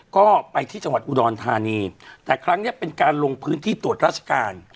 ก็ไปที่จังหวัดอุดรธานีแต่ครั้งนี้เป็นการลงพื้นที่ตรวจราชการ